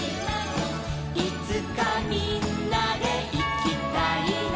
「いつかみんなでいきたいな」